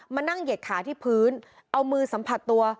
มานั่งเหย็ดขาที่พื้นเอามือสัมผัสตัว